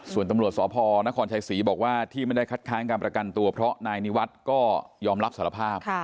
ส่วนตำรวจสพนครชัยศรีบอกว่าที่ไม่ได้คัดค้างการประกันตัวเพราะนายนิวัฒน์ก็ยอมรับสารภาพ